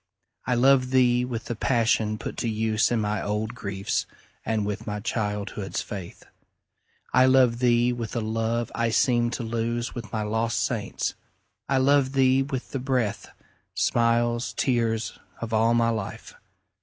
I love thee with the passion put to use In my old griefs, and with my childhood's faith. I love thee with a love I seemed to lose With my lost saints,—I love thee with the breath, Smiles, tears, of all my life!